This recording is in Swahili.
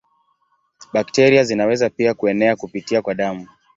Bakteria zinaweza pia kuenea kupitia kwa damu.